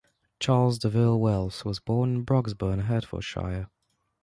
Charles De Ville Wells was born in Broxbourne, Hertfordshire.